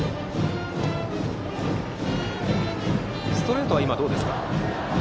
ストレートはどうですか？